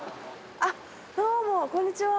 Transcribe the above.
どうもこんにちは。